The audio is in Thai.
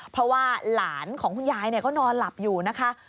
เพราะว่าหลานของคุณยายก็นอนหลับอยู่นะคะ